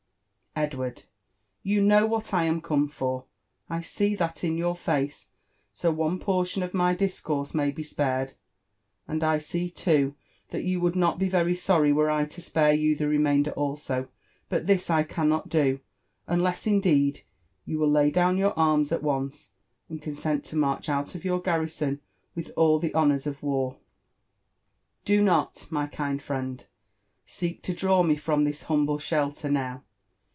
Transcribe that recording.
" Edward, you know what I am come for — I see that in your face, 80 one portion of my discourse may be spared ;— and I see, too, (bat you would npt be very sorry were I to spare you the remainder also ; but this I cannot do — unless, indeed, you will lay down your arms at once, and consent to march out of your garrison wilh all the honours of war?" Bo not, my kind friend, seek to draw me from this humble shelter now.